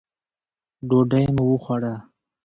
ډوډۍ مو وخوړه.